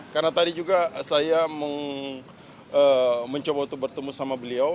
karena tadi juga saya mencoba bertemu sama beliau